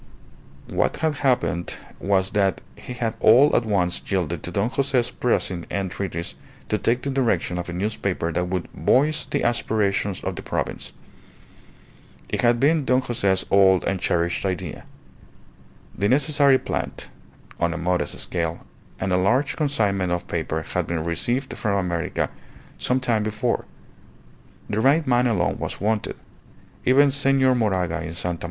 _" What had happened was that he had all at once yielded to Don Jose's pressing entreaties to take the direction of a newspaper that would "voice the aspirations of the province." It had been Don Jose's old and cherished idea. The necessary plant (on a modest scale) and a large consignment of paper had been received from America some time before; the right man alone was wanted. Even Senor Moraga in Sta.